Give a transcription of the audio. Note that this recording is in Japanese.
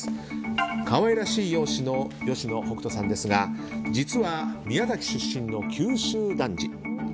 可愛らしい容姿の吉野北人さんですが実は、宮崎出身の九州男児。